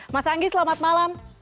mas anggi selamat malam